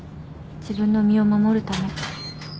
自分の身を守るため。